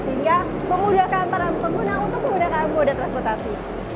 sehingga memudahkan para pengguna untuk menggunakan moda transportasi